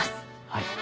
はい。